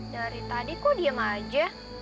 dari tadi kok diem aja